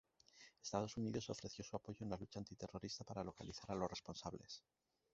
Estados Unidos ofreció su apoyo en la lucha antiterrorista para localizar a los responsables.